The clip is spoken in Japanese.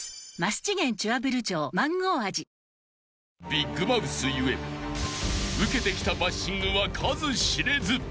［ビッグマウス故受けてきたバッシングは数知れず］